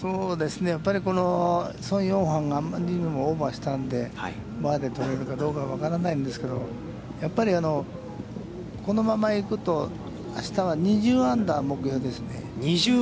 やっぱりこの宋永漢があまりにもオーバーしたんで、取れるかどうか分からないですけど、やっぱりこのまま行くと、あしたは２０アンダー目標ですね。